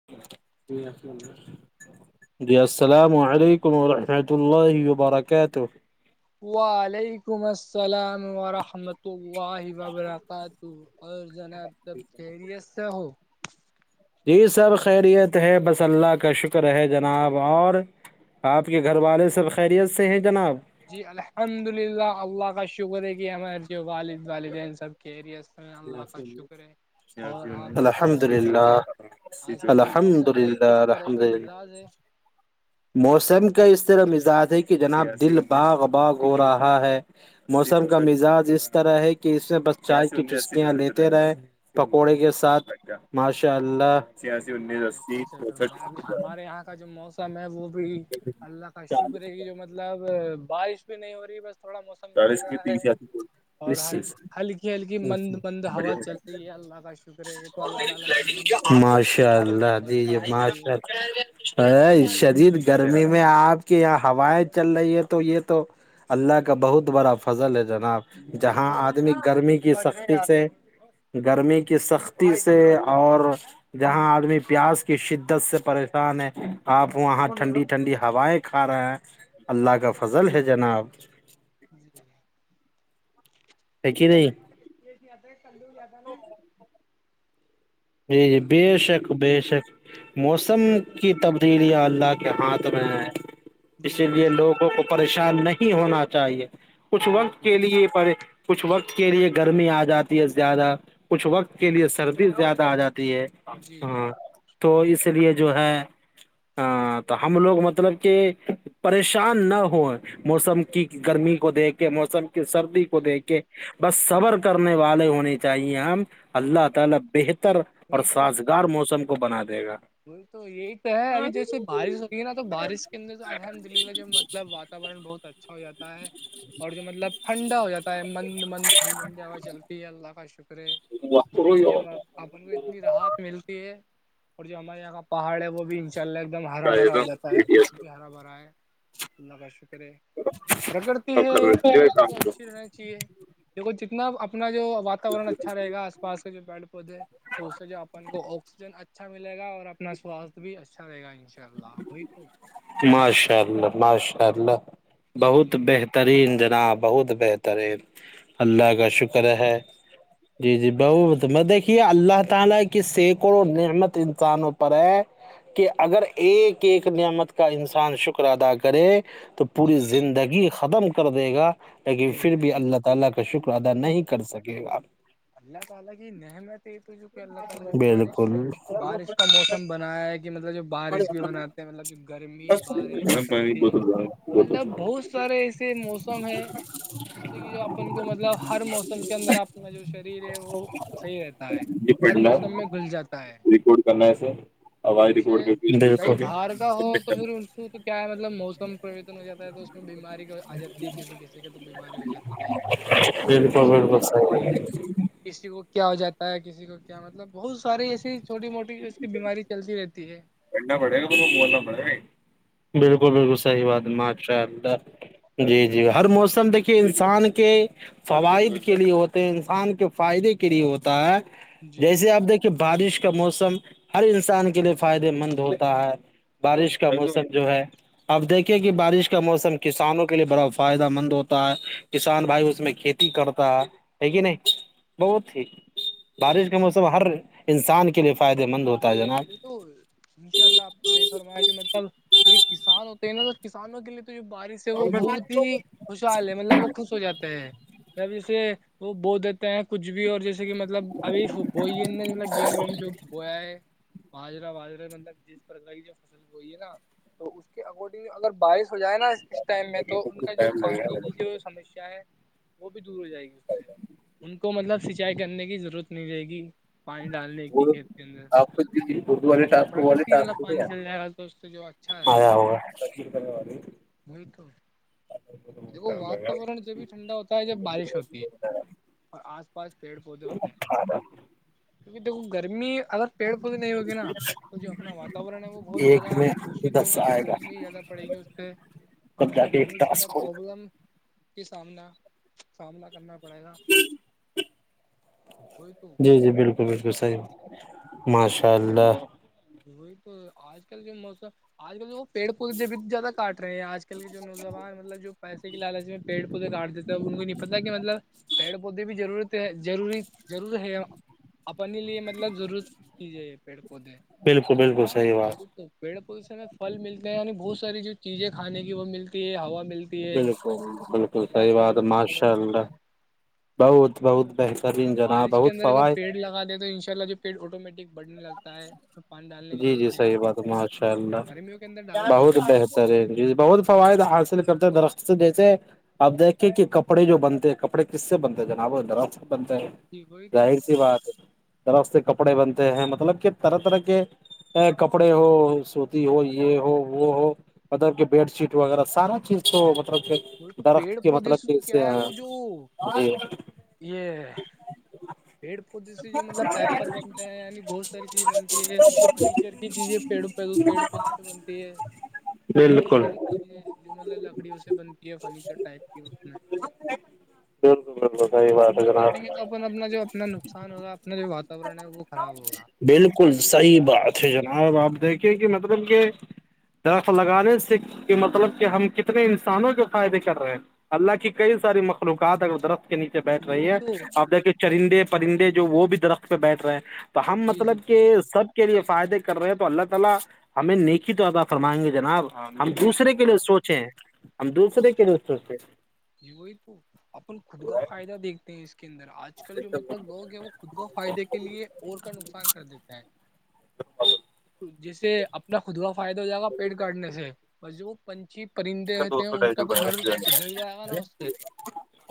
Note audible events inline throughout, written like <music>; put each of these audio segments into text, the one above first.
جی اللام اللہظ <unintelligible> جی السلام علیکم ورحمۃ اللہ وبرکاتہ وعلیکم السلام ورحمۃ اللہ وبرکاتہ اور جناب تب خیریت سے ہو جی سب خیریت ہے بس اللہ کا شکر ہے جناب اور آپ کے گھر والے سب خیریت سے ہیں جناب جی الحمد للہ اللہ کا شکر ہے کہ ہمارے جو والد والدین سب کےریرس ار اللہ کا شکر ہے اور آپ بتاؤ الحمد آج کا للہ آج کا جو الحمد موسم کا للہ کس طرح الحمد کا للہ مزاج ہے موسم کا اس طرح مزاج ہے کہ جناب دل باغ باغ ہو رہا ہے موسم کا مزاج اس طرح ہے کہ اس میں بس چائے کی چستکیاں لیتے رہے جی پکوڑے کے ساتھ ماشاء اللہ چھیاسی جی جی انیس بٹ اسی سب سے فرما ہے ابھی چونسٹھ ہمارے یہاں کا جو موسم م ہے وہ بھی اللہ کا شکر ہے کہ جو مطلب بارش بھی نہیں ہو رہی بس تھوڑا موسم بگڑ چالیس کی رہا ہے تیس آتی اور ہل ہلکی ہلکی مند مند ہوا چل رہی ہے اللہ کا شکر ہے تو اللہ تعالی کی نعمت ہے ماشاء اللہ جیی برسات ہوتی ماشاء اللہ ا شدید گرمی میں آپ کے یہاں ہوائیں چل رہی ہے تو یہ تو اللہ کا بہت بڑا فضل ہے جناب ہے وہی جہاں تو آدمی گرمی کی سختی سے گرمی کی سختی سے اور جہاں آدمی پیاس کی شدت سے پریشان ہے آپ وہاں ٹھنڈی ٹھنڈی ہوائیں کھا رہا ہے اللہ کا فضل ہے جناب جی ہے کہ نہیں آ کل لو ج آا ہے ن جی جی بے شک بے شک تو موسم کوئی تو کی تب اللہ کے ہاتھ میں ہے جی اسی بے لیے شک لوگوں کو پریشان نہیں ہونا چاہیے کچھ جی وقت جی کے لیے پ کچھ وقت کے لیے گرمی آ جاتی ہے زیادہ کچھ وقت کے لیے سردی زیادہ آ جاتی ہے جی ہاں تو اس لیے جو ہے ہاں تو ہم لوگ مطلب کہ پریشان نہ ہو موسم کی گرمی کو دیکھ کے موسم کی سرد کو جی دیکھ کے بس صبر کرنے والے ہونے چاہیے ہم اللتر <inaudible> بتر اور سازگار موسم کو بنا دے گا وہ تو یہی تو ہے ابھی جیسے بارش ہوگی ہے نا تو بارش کے اندر الحمد للہ جوب مطلبات واتاورن بہت اچھا ہو جاتا ہے اور جو مطلب ٹھنڈا ہو جاتا ہے مند مند ٹھنڈنڈ ہوا چلتی ہے اللہ کا شکر ہے جس سے کہ جب اپن کو اتنی راحت ملتی ہے اور جو ہمارے یہاں کا پہاڑ ہے وہ بھی ان شاء اللہ ایک دم ہرا بھرا ہو جاتا ہے ابھی بھی ہرا بھرا ہے اللہ کا شکر ہے پرکرتی ہے یار پرکرتی تو اچھی رہنی چاہیے دیکھ جتنا اپنا جو وااتاورن اچھا رہےا آس پاس کے جو پیڑ پودے تو اس سے جو اپن کو آکسیجن اچھا ملے گا اور اپنا سواستھ بھی اچھا رہے گا ان شاء اللہھ تو ماشاء اللہ ماشاء اللہ بہت جی بہترین جناب بہت بہتر ترے اللہ کا شکر ہے دیکھیے اللہ تعالی کے سینے کو محنت دکانوں پر ہے کہ اگر ایک ایک نعمت کا انسان شکر ادا کرے تو پوری زندگی ختم کر دے گا جی کا شکر ادا تو نہیں کر سکے اللہ تعالی کی نعمتیں تجھے اللہ تعالی کی بارش بالکل بارش کا موسم بنایا ہے کہ مطلب جب بارش بھی بناتے ہیں مطلب جو گرمی بارش سردی بہت مطلب اچھا بہت سارے ایسے موسم ہیں جس سے کہ اپن کو مطلب ہر موسم کے اندر آپ کو جوش ہے شری ہے وہ صحیح رہتا ہے یہ ہر پڑھنا موسم میں ہے گھل جاتا ہے آ وائد جیسے کوک <unintelligible> کئی باہار کا ہو تو پھر اس کو تو کیا ہے مطلب موسم پرریوررتن ہو جاتا ہے تو اس میں بیماری آ جاتی ہے کسی کسی کا تو بیماری ہو جاتی ہے موسم چینج ہوتا ہے کسی کو کیا ہو جاتا ہے کسی کو کیا مطلب بہت ساریے ایسی چھوٹی موٹی اس کی بیماری چلتی رہتی ہے پڈنا پڑے گا ب بولنا پڑے گی بالکل بالکل صحی بات ہے ماشاء اللہ جی جی ہر موسم دیکھیے انسان کے فوائد کے لیے ہوتے ہیں انسان کے فائدے کے لیے ہوتا ہے جی جیسے آپ دیکھیے بارش کا موسم ہر انسان کے لیے فائدے مند ہوتا ہے بارش کا موسم جو ہے آپ دیکھے کہ بارش کا موسم کسانوں کے لیے بڑا فائدہ مند ہوتا ہے کسان بھائی اس میں کھیتی کرتا ہے کہ نہیں بہت ہی جی بارش کا موسم ہر انسان کے لیے فائدے مند ہوتا ہے جناب وہ تو انشاء اللہ آپ کو صحیح فرمایا کہ مطلب یہ کسان ہوتے ہیں نا سر کسانوں کے لیے تو جو بارش ہے وہ بہت ہی خوشحال ہے مطلب وہ خوش ہو جاتا ہے جب جسے وہ بو دیتا ہیں کچھ بھی اور جیسے جیسے کہ مطلب ابھی وہئی مطلب گیم ویم جو ہویا ہے باجرہ واجرہ مطلب جس پرر کی جو فصل وہ یہ ہے نا تو اس کے اکارڈنگ اگر بائیش ہو جائے نا اس ٹائم میں تو ان کا جو ٹائم پانی لگے کی جو سمسیا ہے وہ بھی دور ہو جائے گی اس سے ان کو مطلب سینچائی کرنے کی ضرورت نہیں رہے گی پانی ڈالنے وہ کی کھیت کے اندر آپ کو اردو جو والے ٹاسک والے پرکرتی والا ٹاسک تھے پانی چل جائے گا تو اس سے جو اچھا رہائے آیا گا ہوگا وہی تو دیکھو واتاورن جب بھی ٹھنڈا ہوتا ہے جب بارش ہوتی ہے اور آس پاس پیڑ پودے ہوتے ہیں ہاں <unintelligible> کیونکہ دیکھو گرمی اگر پیڑ پودے نہیں ہوگی نا تو جو اپنا وااتاورن ہے وہ بہت ایک زیادہ میں دشت دس ہوگا اور آئے گا گرمی زیادہ پڑے گی اس سے اور تب اس جا میں کے ایک بہت زیادہ ٹاسک ہوگا پرابلم کے سامنا سامنا کرنا پڑے گا کوئی تو جی جی بالکل بالکل صحیح ماشاء اللہ وہی تو آج کل جو موسم آج کل جو وہ پیڑ پودے بھی زیادہ کاٹ رہے ہیں آج کل آج کل کے جو نوجوان مطلب جو پیسے کی لالچی میں پیڑ پودے کاٹ دیتے انوں بھی نہیں پتا کہ مطلب پیڑ پودے بھی ضرورت ضروری ضرور ہے اپنے لیے مطلب ضرور کیجیے یہ پیڑ پودے بالکل بالکل صحیح وہ بات تو پیڑ پود سے میں پل ملتے ہیں یعنی بہت ساری جو چیزیں کھانے کی وہ ملتی ہے ہوا ملتی ا بالکل بالکل صحیح اچھا جو بات واتورن ماشاء ملتا اللہ ہے بہت بہت اور بہترین جناب بارش کے بہت اندر اگر فوائد پیڑ لگا دیں تو ان شاء اللہ جو پھر آٹومیٹک بڑھنے لگتا ہے میں پانی ڈالنے کی جی جی ضرورت نہیں صحیح رہتی بات ماشاء اللہ گرمیوں کے اندر ڈالنا بہت پڑتا بہتر سر بہت فوائد حاصل کرتا د رخت جیسے آپ دیکھے کہ کپڑے جو بنتے ہیں کپڑے کس سے بنتے ہیں جناب درخت بنتا ہے وہی تو ظاہر سی بات ہے طرف سے کپڑے بنتے ہیں مطلب کہ طرح طرح کے ا کپڑے ہو سوتی ہو یہ ہو وہ ہو مطلب کہ بیڈ شیٹ وغیرہ سارا چیز تو مطلب وہ تو پیڑ درخت کے پودے مطلب تو کیا سے ہے وہ جو آیا جی یہ پیڑ پود سے جو مطلب پیپر بنتے ہیں ینی ب ر کی بنتی ہے فرنیچر کی چیزیں پیڑوں پوں پیڑ پودے سے بنتی ہے تو بہت ساری چیزیں جو مطلب لکڑیوں سے بنتی ہے فرنیچر ٹائپ کی اس میں بالکل بالکل سحی ہم بات ہے لوگ جناب کاٹیں گے اپن اپنا جو اپنا نقصان ہوگا اپنا جو وااتاورن ہے وہ خراب ہوگا بالکل صحیح ذرا سے بات لا- ہے جناب آپ دیکھے کہ مطلب کہ درخ لگانے سے کہ مطلب کہ ہم کتنے انسانوں کے فائدے کر رہے ہیں اللہ کی کئی ساری مکل کاد در نیچے بیٹھ وہی رہی ہے تو آپ دیکھیے چرندے پرندے جو وہ بھی درخت پہ بیٹھ رہے ہیں تو ہاں جی جی مطلب کہ بے شک سب کے لیے فائدے کر رہے ہیں تو اللہ تعالی ہمیں نیکی تو ادا فرمائیں گے جناب ہم بے دوسرے کے شک لیے بے شک سوچے ہم دوسرے کے لیے سوچے یہ وہی تو اپن خود کا فائدہ دیکھتے ہیں اس کے اندر آج کل جو مطلب لوگ ہیں وہ خود کو فائدے کے لیے اور کا نقصان کر دیتا ہے <unintelligible> جس سے اپنا خود کا فائدہ ہو جائے گا پیٹ کاٹنے سے بجو پنچھی پرندے رہتے دو ہیں سو ان ڈھائی کا تو گھر اجھڑ جائے گا نا اس سے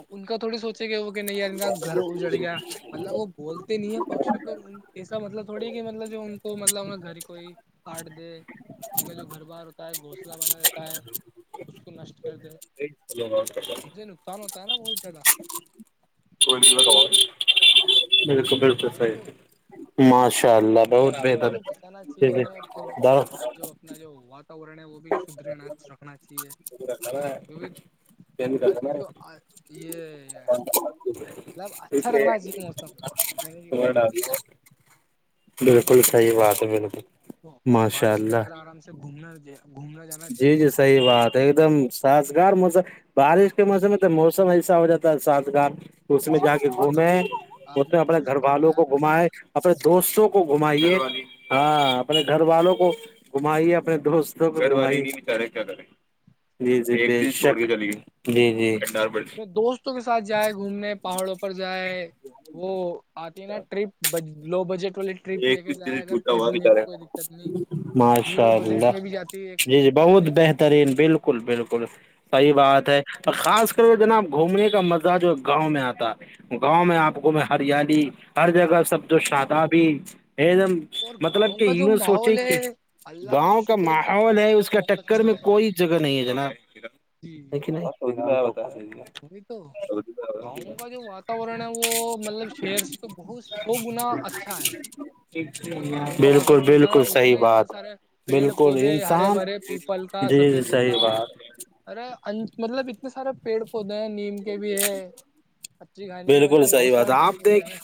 ان کا تھوڑی سوچے گئے وہ کہ نہیں یار ان کا گھر اجڑ گیا مطلب وہ بولتے نہیں ہے پکشی تو ایسا مطلب تھوڑی ہے کہ مطلب جو ان کو مطلب اپ گھر کو ہی کاٹ دے ان کا جو گھر بار ہوتا ہے گھونسلہ بنا رہتا ہے اس کو نشٹ کر دے جلو م کرش سے نقصان ہوتا ہے نا بہت زیادہ کوئی لگا م کو بالکل صحی تو ماشاء اللہ پیڑ بہت پودوں بہتر کو بچانا چاہیے ہےیک ہمیں اور جو اپنا جو واتاورن ہے وہ بھی شدھنا رکھنا چاہیے کی ابھی جو یہ مطلب اچھا رکھنا چاہیے موسم کہنے کی بات ڈ آ ہے بالکل صحیح بات ہے بالکل اور ماشاء بارش کے اللہ اندر آرام سے گھومنا دیا جی جی صحیح بات ایک دم سازگار موسم بارش کے موسم میں تو موسم ایسا ہو جاتا ہے سازگار اس میں جا جی کے گھومے آپ اس نے میں اپنے گھر درست والوں فرمایا کو گھمائے اپنے دوستوں کو گھمائیے ہاں اپنے گھر والوں کو گمائیے اپنے دوستوں کوے کیاے جی جی چلیے پھر دوست دو کے ساتھ جائے گھومنے پہاڑوں پر جائے وہ آتی ن پ لو بجٹ کو ایک جوٹا ہوا بچارے نہیں زیرو ماشاء بجٹ اللہ میں بھی جاتی ہے ایک جی جی بہت ٹرپ بہترین بالکل بالکل صحیح بات ہے خاص کر کے جناب گھومنے کا مزہ جو گاؤں میں آتا گاؤں میں آپ کو میں ہریالی ہر جگہ سب جو شاداب ایک دم اور مطلب گاؤں کہ کا جو سوچے ماحول ہے کہ اللہ گاؤں کا شکر ہے کہ جو ماحول گاؤں ہے ماحول اس کا بہت ٹکر اچھا میں ہے کوئی جگہ نہیں ہے نا لیک نہیں نہیںی تو گاؤں کا جو واتورن ہے وہ مطلب شہر سے تو بہت سو گنا اچھا ہے <inaudible> جو گاؤں کا بالکل واتاورن ہوتا ہے نا بالکل اس صحیح میں اتنے بات سارے پیڑ بالکل پودے ہرے انسان بھرے پیپل جی سفیدے صحیح کا بات ارے ان مطلب اتنے سارے پیڑ پیڑ پودے ہیں نیم کے بھی ہے اچھی کھانے کے بالکل مطلب بہت صحیح بات سارے پیڑ آپ پودے دیکھ ہیں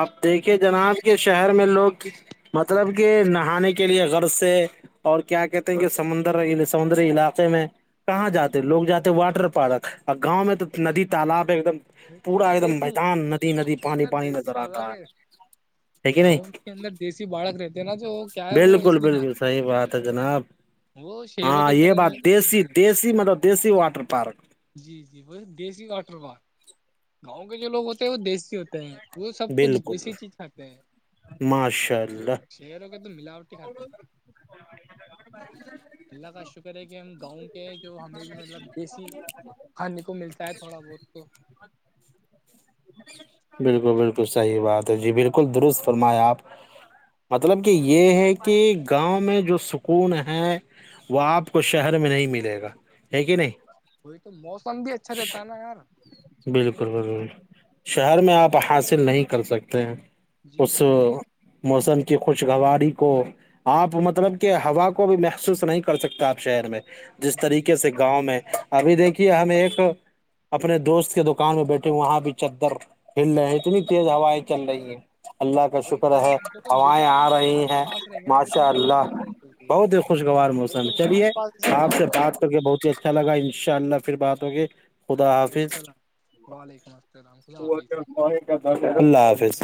آپ جی دیکھے جناب کے شہر میں لوگ مطلب کہ نہانے کے کے لیے غر سے اور کیا کہتے ہیں کہ سمندر سمندری علاقے میں کہاں جاتے لوگ جاتے واٹر پارک اور گاؤں میں تو ندی تالاب ایک دم پورا ایک دم دیسی میدان ندی گاؤں ندی کے پانی اندر پانی دیسی نظر آتا بالک ہے ہے کہ نہیں گاؤں اندر دیسی بالک رہتے نا جو کیا ہے وہ بالکل اس میں نہ بالکل صحیح بات ہے جناب وہ شہروں ہاں کی یہ طرح بات نہیں دیسی، دی دیسی مطلب دیسی واٹر پارک جی جی بے دیسی واٹر پارک گاؤں کے جو لوگ ہوتے ہیں وہ دیسی ہوتے ہیں وہ سب کچھ بالکل دیسی چیز کھاتے ہیں ماشاء آب جو اللہ چہروں کے تو ملاوٹ کھاتے ہیں اللہ کا شکر ہے کہ ہم گاؤں جو ہمیں بھی مطلب دیسی کھانے کو ملتا ہے تھوڑا بہت تو بالکل بالکل صحیح بات ہے جی بالکل درست فرمائےیں آپ مطلب کہ یہ ہے کہ گاؤں میں جو سکون ہے وہ آپ کو شہر میں نہیں ملے گا ہے جییک کہ جی نہیں وہی تو موسم بھی اچھا رہتا ہے نا یار بالکل بلکل شہر میں آپ حاصل نہیں کر سکتے جی اس وہی موسم کی خوشگواری کو آپ مطلب کہ ہوا کو بھی محسوس نہیں کر سکتا آپ شہر میں جس جی طریقے سے گاؤں میں ابھی دیکھیے ہم ایک اپنے دوست کے دکان میں بیٹھے وہاں بھی چاکر کلنے ہے اتنی تیز ہوا ہے چل جی رہی ہے اللہ کا وہی شکر تو ہے اب دیکھو جیسے ہوائیں اب آ ہم پہاڑ رہی کے ہیں پاس رہیں گے نا اب ماشاء اتنا زیادہ اللہ ہوا زیادہ چلتی ہے بہت ہی خوشگوار وہ موسم ہے تو چلیے آس پاس جیسے آپ پہاڑ سے رہتے ہیں بات کر کے بہت ہی اچھا اچھا لگا ان شاء اللہ پھر بات ہوگئی ھیک السلام وعلیکم السلام خدا حافظ اللہ حافظ